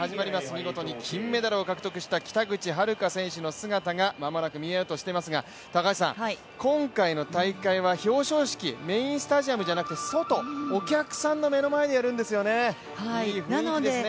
見事に金メダルを獲得した北口榛花選手の姿が間もなく見えようとしていますが今回の大会は表彰式、メインスタジアムじゃなくて外、お客さんの目の前でやるんですよね、いい雰囲気ですね。